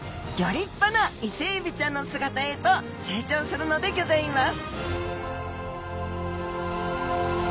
立派なイセエビちゃんの姿へと成長するのでギョざいます